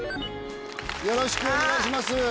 よろしくお願いします。